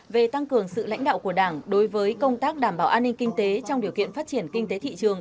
về tăng cường sự lãnh đạo của đảng đối với công tác đảm bảo an ninh kinh tế trong điều kiện phát triển kinh tế thị trường